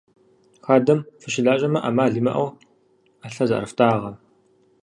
Хадэм фыщылажьэмэ, ӏэмал имыӏэу ӏэлъэ зыӏэрыфтӏагъэ.